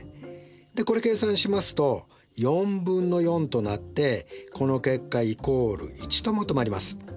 でこれ計算しますと４分の４となってこの結果＝１と求まります。